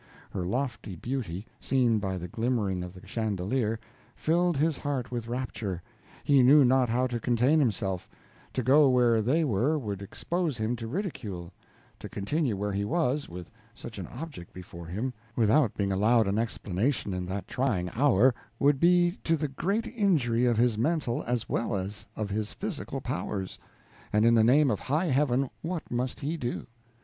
Her lofty beauty, seen by the glimmering of the chandelier, filled his heart with rapture, he knew not how to contain himself; to go where they were would expose him to ridicule; to continue where he was, with such an object before him, without being allowed an explanation in that trying hour, would be to the great injury of his mental as well as of his physical powers; and, in the name of high heaven, what must he do?